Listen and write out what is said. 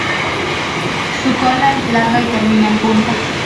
Su cola es larga y termina en punta.